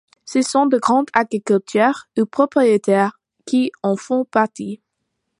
Ce sont de grands agriculteurs ou propriétaires qui en font partie.